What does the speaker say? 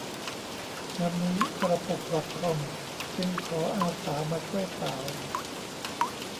วันนี้กระปุกดอทคอมจึงขออาสามาช่วยสาว